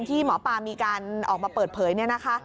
ที่หมอปลามีการออกมาเปิดเผยเนี่ยนะคะ